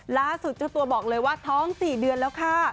ล่าสุดเจ้าตัวบอกเลยว่าท้อง๔เดือนแล้วค่ะ